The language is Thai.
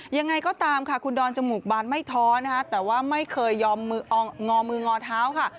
ยังไงก็ตามค่ะคุณดอนจมูกบานไม่ท้อนะคะแต่ว่าไม่เคยยอมมืองอเท้าค่ะ